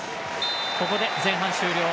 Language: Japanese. ここで前半終了。